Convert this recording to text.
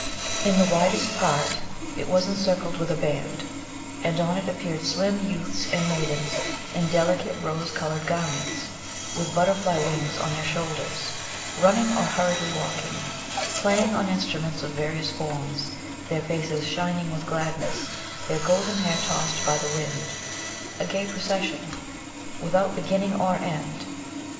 In the widest part it was encircled with a band, and on it appeared slim youths and maidens, in delicate, rose colored garments, with butterfly wings on their shoulders, running or hurriedly walking, playing on instruments of various forms, their faces shining with gladness, their golden hair tossed by the wind a gay procession, without beginning or end.